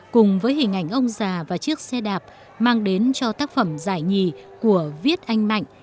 cùng với hình ảnh ông già và chiếc xe đạp mang đến cho tác phẩm giải nhì của viết anh mạnh